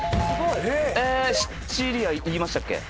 シチリア言いましたっけ？